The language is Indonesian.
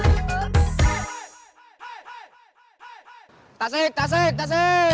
saya tak pengen makan